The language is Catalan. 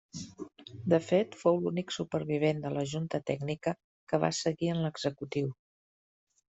De fet, fou l'únic supervivent de la Junta Tècnica que va seguir en l'executiu.